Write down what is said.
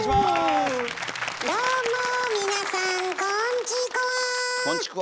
どうも皆さんこんチコは。